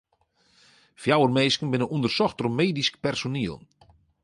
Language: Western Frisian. Fjouwer minsken binne ûndersocht troch medysk personiel.